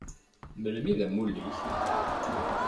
Melmi i d amulli-k?